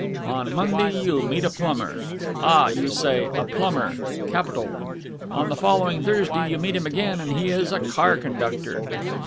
On Monday you meet a plumber. Ah! you say, a plumber! Capital! On the following Thursday you meet him again, and he is a car conductor.